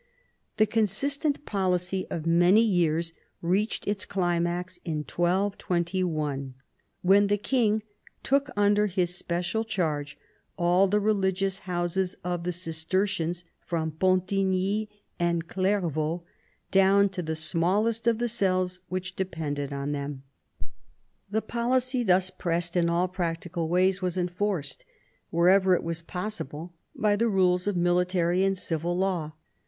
The consistent policy of many years reached its climax in 1221, when the king took under his special charge all the religious houses of the Cistercians, from Pontigny and Clairvaux down to the smallest of the cells which depended on them. The policy thus pressed in all practical ways was enforced, wherever it was possible, by the rules of military and civil law.